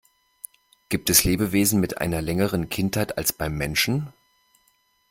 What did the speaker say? Gibt es Lebewesen mit einer längeren Kindheit als beim Menschen?